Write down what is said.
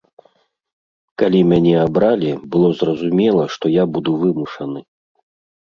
Калі мяне абралі, было зразумела, што я буду вымушаны!